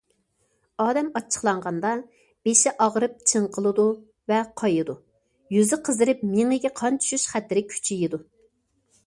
ئادەم ئاچچىقلانغاندا بېشى ئاغرىپ چىڭقىلىدۇ ۋە قايىدۇ، يۈزى قىزىرىپ مېڭىگە قان چۈشۈش خەتىرى كۈچىيىدۇ.